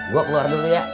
gue keluar dulu ya